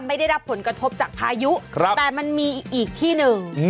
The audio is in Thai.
ไม่ได้รับผลกระทบจากพายุแต่มันมีอีกที่หนึ่ง